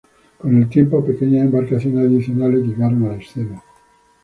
Con el tiempo, pequeñas embarcaciones adicionales llegaron a la escena.